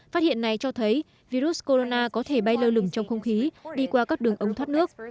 phát hiện này cho thấy virus corona có thể bay lơ lửng trong không khí đi qua các đường ống thoát nước